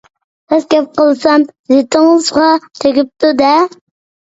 راست گەپ قىلسام زىتىڭىزغا تېگىپتۇ-دە!